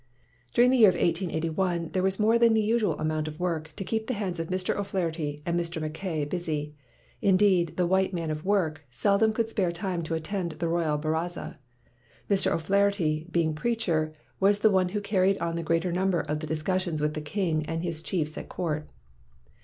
During the year 1881 there was more than the usual amount of work to keep the hands of Mr. O 'Flaherty and Mr. Mackay busy. Indeed the " white man of work" seldom could spare time to attend the royal baraza. Mr. O 'Flaherty, being preacher, was the one who carried on the greater number of the discussions with the king and his chiefs at court.